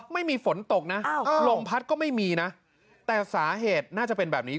ไม่มีฝนตกนะลมพัดก็ไม่มีนะแต่สาเหตุน่าจะเป็นแบบนี้